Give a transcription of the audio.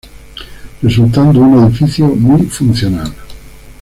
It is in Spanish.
Resultando un edificio muy funcional.